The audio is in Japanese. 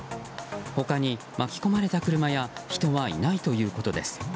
他に巻き込まれた車や人はいないということです。